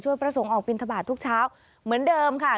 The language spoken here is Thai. ช่วยพระสงออกปริณฑบาททุกเช้าเหมือนเดิมค่ะ